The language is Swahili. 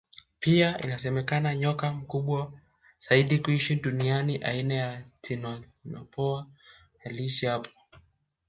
Pia inasemekana nyoka mkubwa zaidi kuishi duniani aina ya titanoboa aliishi hapo